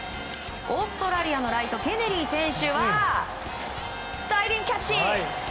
オーストラリアのライトケネリー選手はジャンピングキャッチ！